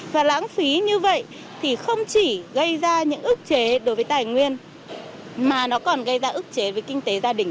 và lãng phí như vậy thì không chỉ gây ra những ức chế đối với tài nguyên mà nó còn gây ra ức chế với kinh tế gia đình